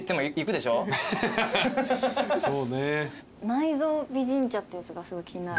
内臓美人茶ってやつがすごい気になる。